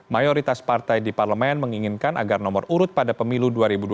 mayoritas partai di parlemen menginginkan agar nomor urut pada pemilu dua ribu dua puluh